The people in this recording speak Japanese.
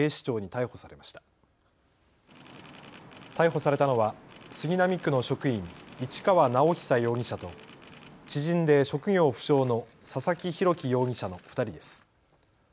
逮捕されたのは杉並区の職員、市川直央容疑者と知人で職業不詳の佐々木洋樹容疑者の２人です。